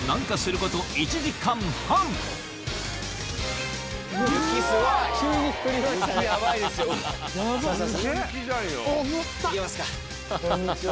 こんにちは。